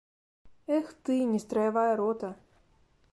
Эх ты, нестраявая рота!